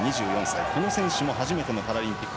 この選手も初めてのパラリンピック。